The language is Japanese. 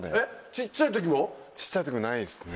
小っちゃい時もないですね。